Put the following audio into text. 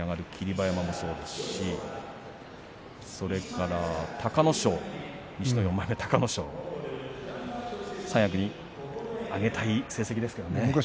馬山もそうですしそれから隆の勝西の４枚目の隆の勝三役に上げたい成績ですけどね。